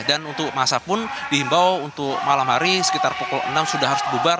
dan untuk masa pun dihimbau untuk malam hari sekitar pukul enam sudah harus bubar